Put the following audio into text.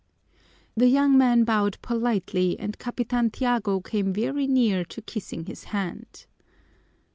The young man bowed politely and Capitan Tiago came very near to kissing his hand.